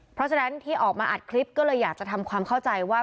เพราะฉะนั้นที่ออกมาอัดคลิปก็เลยอยากจะทำความเข้าใจว่า